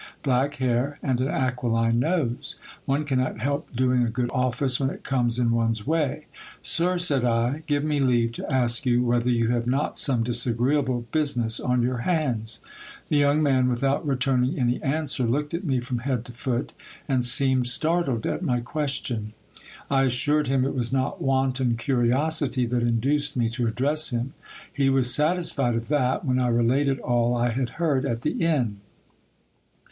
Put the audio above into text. Black hair and an aquiline nose ! One cannot help doing a good office when it comes in one's way. Sir, said I, give me leave to ask you whether you have not some disagreeable business on your hands ? The young man, without returning any answer, looked at me from head to foot, and seemed startled at my question. I assured him it was not wanton curiosity that induced me to address him. He was satisfied of that when I related all I had heard at the inn.